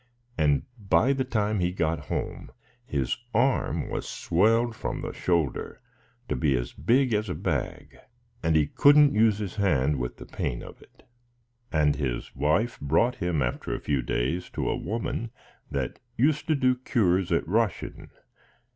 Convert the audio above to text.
And by the time he got home, his arm was swelled from the shoulder to be as big as a bag, and he could n't use his hand with the pain of it. And his wife brought him, after a few days, to a woman that used to do cures at Rahasane.